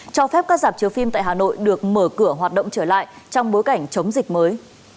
cho phép các giảm chiếu phim tại hà nội được mở cửa hoạt động trở lại trong bối cảnh chống dịch mới